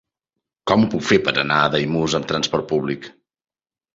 Com ho puc fer per anar a Daimús amb transport públic?